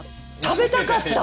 「食べたかった」！？